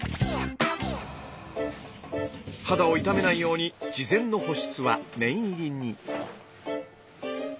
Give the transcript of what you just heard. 肌を傷めないように事前の保湿は念入りに。